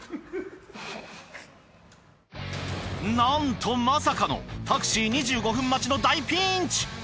なんとまさかのタクシー２５分待ちの大ピンチ。